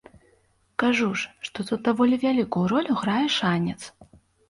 Кажу ж, што тут даволі вялікую ролю грае шанец.